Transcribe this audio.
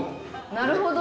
なるほど。